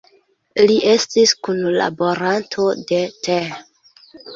Li estis kunlaboranto de Th.